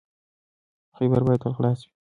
خیبر باید تل خلاص وي.